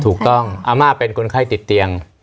ถูกต้องอาม่าเป็นคนไข้ติดเตียง